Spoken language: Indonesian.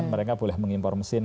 mereka boleh mengimpor mesin